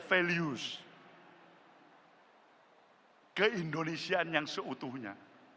values keindonesian yang seutuhnya